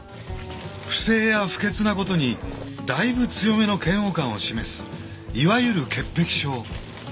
不正や不潔なことにだいぶ強めの嫌悪感を示すいわゆる潔癖症。